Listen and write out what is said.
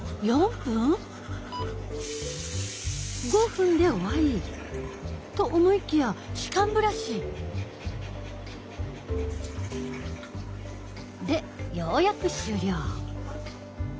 ５分で終わり。と思いきや歯間ブラシ！でようやく終了。